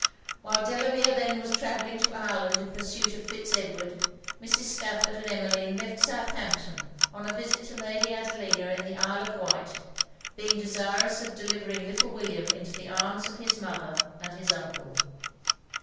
While Delamere then was travelling to Ireland in pursuit of Fitz Edward, Mrs. Stafford and Emmeline left Southampton on a visit to Lady Adelina in the Isle of Wight; being desirous of delivering little William into the arms of his mother and his uncle.